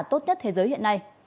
tốt nhất thế giới hiện nay